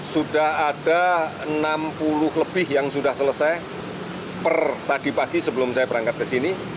sudah ada enam puluh lebih yang sudah selesai per tadi pagi sebelum saya berangkat ke sini